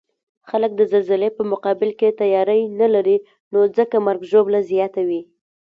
خلک د زلزلې په مقابل کې تیاری نلري، نو ځکه مرګ ژوبله زیاته وی